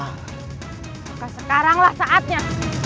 maka sekaranglah saatnya